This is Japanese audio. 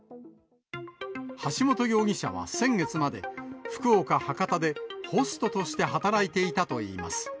橋本容疑者は先月まで、福岡・博多でホストとして働いていたといいます。